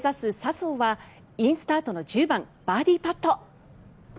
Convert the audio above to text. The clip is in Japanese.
生はインスタートの１０番バーディーパット。